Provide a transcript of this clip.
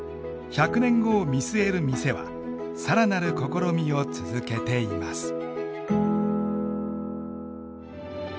１００年後を見据える店は更なる試みを続けています。